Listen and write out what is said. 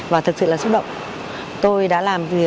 và thật sự là xúc động